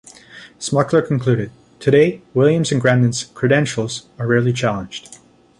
Smukler concluded: Today, Williams' and Grandin's 'credentials' are rarely challenged.